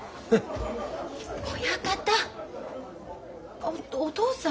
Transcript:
あっお父さん。